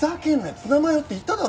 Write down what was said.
ツナマヨって言っただろ。